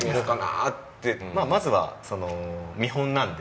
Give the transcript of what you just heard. まあまずは見本なんで。